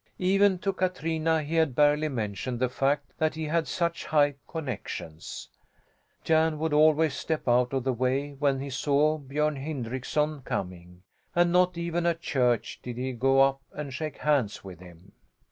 Even to Katrina he had barely mentioned the fact that he had such high connections. Jan would always step out of the way when he saw Björn Hindrickson coming, and not even at church did he go up and shake hands with him.